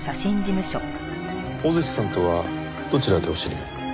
小関さんとはどちらでお知り合いに？